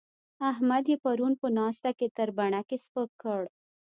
احمد يې پرون په ناسته کې تر بڼکې سپک کړ.